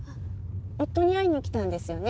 夫に会いに来たんですよね？